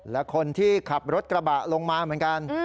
และคนที่ขับรถกระบะลงมาเหมือนกัน